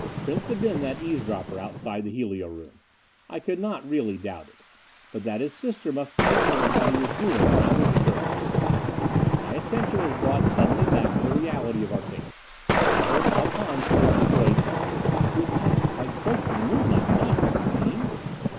Prince had been that eavesdropper outside the helio room. I could not really doubt it. But that his sister must be ignorant of what he was doing, I was sure. My attention was brought suddenly back to the reality of our table. I heard Ob Hahn's silky voice: "We passed quite close to the moon last night, Mr. Dean."